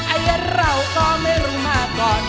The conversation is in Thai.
ไอเหล่าก็ไม่รู้มาก่อน